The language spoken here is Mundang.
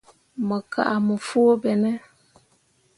Mo kah mo foo ɓe ne.